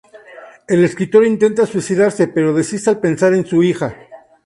El escritor intenta suicidarse, pero desiste al pensar en su hija.